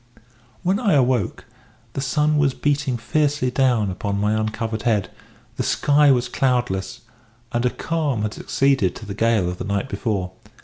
"When I awoke the sun was beating fiercely down upon my uncovered head; the sky was cloudless; and a calm had succeeded to the gale of the night before.